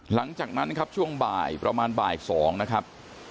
หลังจากนั้นนะครับช่วงบ่ายประมาณบ่าย๒นะครับ